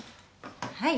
はい。